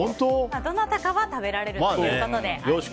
どなたかは食べられるということで。